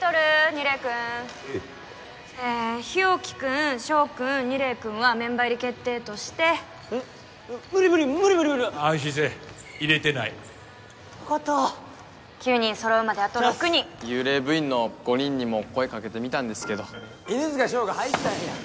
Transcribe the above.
楡君うぃええ日沖君翔君楡君はメンバー入り決定としてえっ無理無理無理無理安心せえ入れてないよかった９人揃うまであと６人幽霊部員の５人にも声かけてみたんですけど犬塚翔が入ったんや